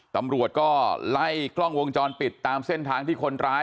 ตำรวจก็ไล่กล้องวงจรปิดตามเส้นทางที่คนร้าย